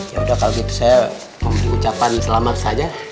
yaudah kalau gitu saya mau diucapkan selamat saja